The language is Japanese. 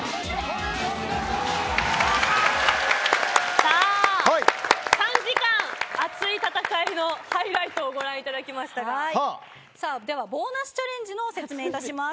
さあ３時間熱い戦いのハイライトご覧いただきましたがでは、ボーナスチャレンジの説明をいたします。